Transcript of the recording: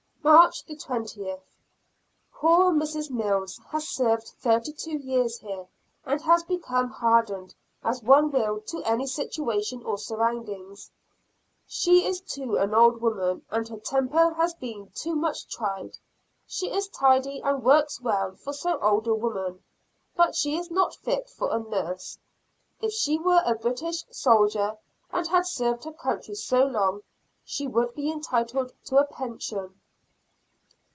March 20. Poor Mrs. Mills has served thirty two years here, and has become hardened as one will to any situation or surroundings. She is too old a woman, and her temper has been too much tried. She is tidy, and works well for so old a woman, but she is not fit for a nurse. If she were a British soldier, and had served her country so long, she would be entitled to a pension.